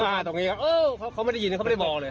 ตรงนี้ครับเขาไม่ได้ยินเขาไม่ได้มองเลย